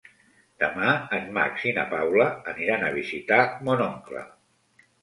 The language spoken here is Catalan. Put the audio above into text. Demà en Max i na Paula aniran a visitar mon oncle.